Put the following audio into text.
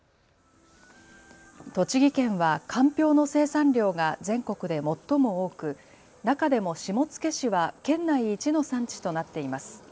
栃木県はかんぴょうの生産量が全国で最も多く中でも下野市は県内一の産地となっています。